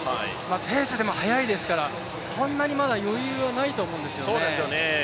ペース速いですから、そんなに余裕はないと思うんですよね。